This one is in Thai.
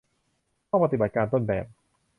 ห้องปฏิบัติการต้นแบบ